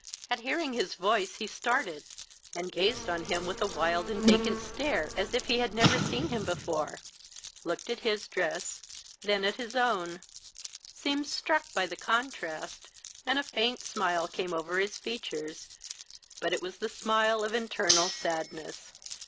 At hearing his voice he started, and gazed on him with a wild and vacant stare, as if he had never seen him before, looked at his dress, then at his own, seemed struck by the contrast, and a faint smile came over his features, but it was the smile of internal sadness.